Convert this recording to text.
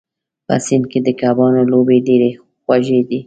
په سیند کې د کبانو لوبې ډېرې خوږې دي.